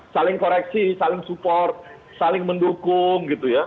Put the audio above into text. saling koreksi saling support saling mendukung